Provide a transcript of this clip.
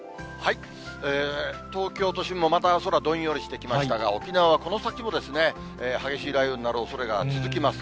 東京都心もまた空、どんよりしてきましたが、沖縄はこの先も激しい雷雨になるおそれが続きます。